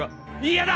［嫌だ！